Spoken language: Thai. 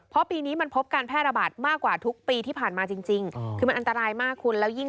เพราะปีนี้มันพบการแพร่ระบาดมากกว่าทุกปีที่ผ่านมาจริงคือมันอันตรายมากคุณแล้วยิ่ง